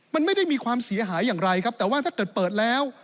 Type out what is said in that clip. มันไม่ได้มีความเสียหายอย่างไรครับแต่ว่าถ้าเกิดเปิดแล้ว